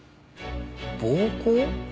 暴行？